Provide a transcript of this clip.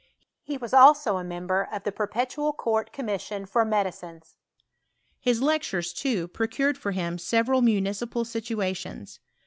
He was also a member of the perpetual court commission for medicines. His lec tures, too, procured for him several municipal situa tions.